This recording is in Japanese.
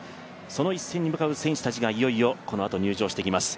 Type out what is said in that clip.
その一戦に向かう選手たちがいよいよ、このあと入場してきます。